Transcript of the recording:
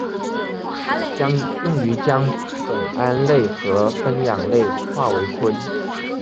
用于将苯胺类和酚氧化为醌。